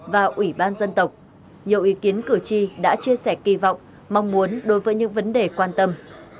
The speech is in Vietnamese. và ủy ban dân tộc nhiều ý kiến cử tri đã chia sẻ kỳ vọng mong muốn đối với những vấn đề quan tâm